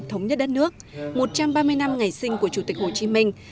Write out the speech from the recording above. thống nhất đất nước một trăm ba mươi năm ngày sinh của chủ tịch hồ chí minh